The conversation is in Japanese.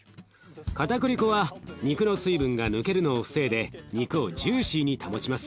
かたくり粉は肉の水分が抜けるのを防いで肉をジューシーに保ちます。